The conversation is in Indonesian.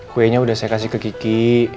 kuenya udah saya kasih ke kiki